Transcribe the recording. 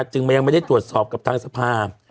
จึงมันยังไม่ได้ตรวจสอบกับทางสภาพ